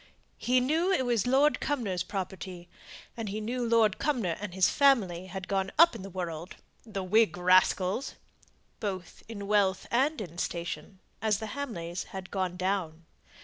He knew it was Lord Cumnor's property; and he knew Lord Cumnor and his family had gone up in the world ("the Whig rascals!"), both in wealth and in station, as the Hamleys had gone down.